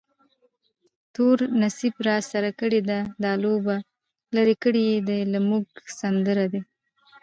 تور نصیب راسره کړې ده دا لوبه، لرې کړی یې له موږه سمندر دی